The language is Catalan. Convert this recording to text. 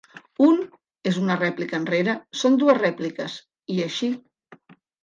Un > és una rèplica enrere, >> són dues rèpliques, i així.